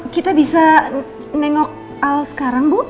kita bisa nengok al sekarang bu